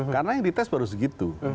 karena yang dites baru segitu